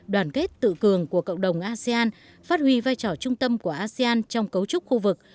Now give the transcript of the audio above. đoàn kết tự cường của cộng đồng asean phát huy vai trò trung tâm của asean trong cấu trúc khu vực